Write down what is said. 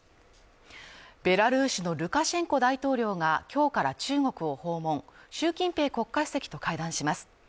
ベラルーシのルカシェンコ大統領が今日から中国を訪問習近平国家主席と会談します。